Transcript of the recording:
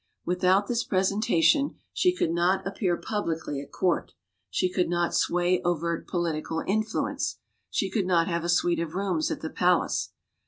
Without this presentation, she could not appear pub licly at court, she could not sway overt political in fluence, she could not have a suite of rooms at the palace.